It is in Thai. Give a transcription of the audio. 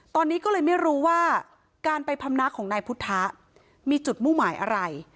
ตอนนี้ก็เลยไม่รู้ว่าการไปพำนักของนายพุทธะมีจุดมุ่งหมายอะไร